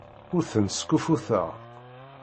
Ur tent-skuffuteɣ.